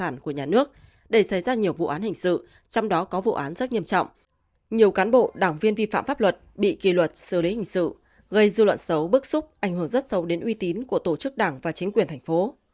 nguyên tắc tập trung dân chủ quy định những điều đảng viên vi phạm pháp luật bị kỳ luật xử lý hình sự gây dư luận xấu bức xúc ảnh hưởng rất sâu đến uy tín của tổ chức đảng và chính quyền thành phố